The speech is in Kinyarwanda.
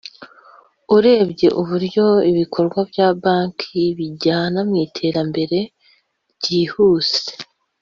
Urebye uburyo ibikorwa bya banki bijyana mwitera mbere byihuse